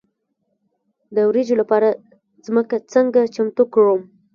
د وریجو لپاره ځمکه څنګه چمتو کړم؟